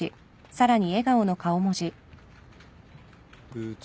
部長。